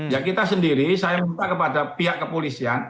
ya kita sendiri saya minta kepada pihak kepolisian